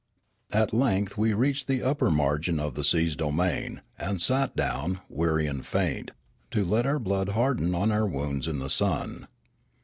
At length we reached the upper margin of the sea's domain, and sat down, weary and faint, to let our blood harden on our wounds in the sun.